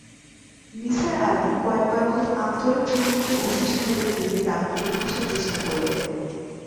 নিসার আলি কয়েকবার খুব আন্তরিক ভঙ্গিতে ওসি সাহেবের দিকে তাকিয়ে হাসার চেষ্টা করলেন।